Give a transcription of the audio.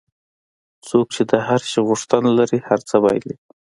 څوک چې د هر شي غوښتنه لري هر څه بایلي.